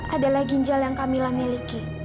adalah ginjal yang kamilah miliki